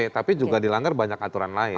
tapi juga dilanggar banyak aturan lain